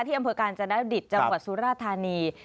ที่อำเภอการณ์จนดิตเจ้ากับสุรธานี